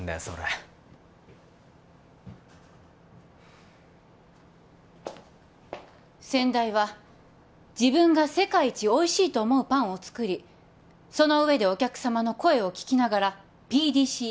それ先代は自分が世界一おいしいと思うパンを作りその上でお客様の声を聞きながらＰＤＣＡ